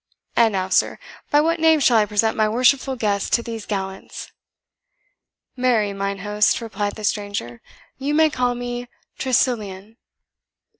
And now, sir, by what name shall I present my worshipful guest to these gallants?" "Marry, mine host," replied the stranger, "you may call me Tressilian."